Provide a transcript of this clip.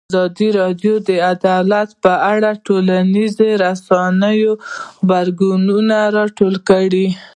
ازادي راډیو د عدالت په اړه د ټولنیزو رسنیو غبرګونونه راټول کړي.